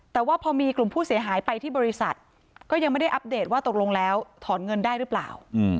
แต่ว่าพอมีกลุ่มผู้เสียหายไปที่บริษัทก็ยังไม่ได้อัปเดตว่าตกลงแล้วถอนเงินได้หรือเปล่า